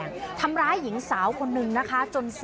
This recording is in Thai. คุณผู้ชมค่ะล่าสุดหลังจากที่ตำรวจจับตัวในรุ๊ดหรือนายธนเดชแก้วช่วงได้แล้ว